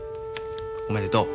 おめでとう。